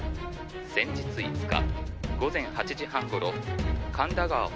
「先日５日午前８時半頃神田川」